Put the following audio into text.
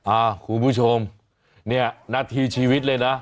อ่าคุณผู้ชมเนี่ยนัดทีชีวิตเลยนะ